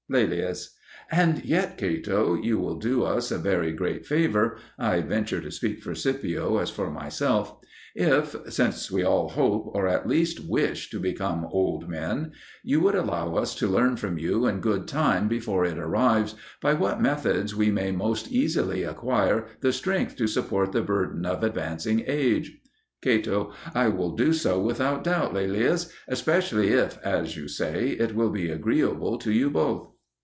Laelius. And yet, Cato, you will do us a very great favour (I venture to speak for Scipio as for myself) if since we all hope, or at least wish, to become old men you would allow us to learn from you in good time before it arrives, by what methods we may most easily acquire the strength to support the burden of advancing age. Cato. I will do so without doubt, Laelius, especially if, as you say, it will be agreeable to you both.